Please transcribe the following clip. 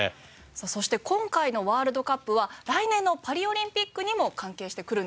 そして今回のワールドカップは来年のパリオリンピックにも関係してくるんですよね。